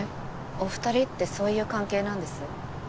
お二人ってそういう関係なんです？